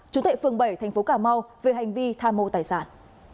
chúng thệ phường bảy thành phố cà mau về hành vi tha mô tài sản